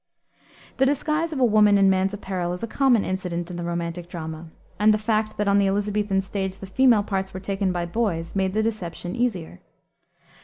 The disguise of a woman in man's apparel is a common incident in the romantic drama; and the fact, that on the Elisabethan stage the female parts were taken by boys, made the deception easier.